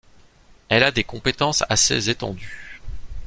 Elle a des compétences assez étendues.